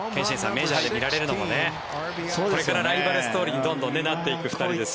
メジャーで見られるのもこれからライバルストーリーにどんどんなっていく２人です。